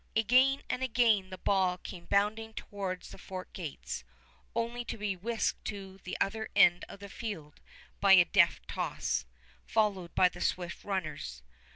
Again and again the ball came bounding towards the fort gates, only to be whisked to the other end of the field by a deft toss, followed by the swift runners.